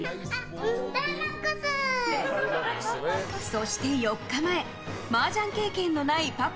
そして４日前マージャン経験のないパパ